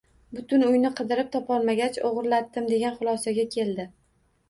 Butun uyni qidirib, topolmagach, oʻgʻirlatdim degan xulosaga keldi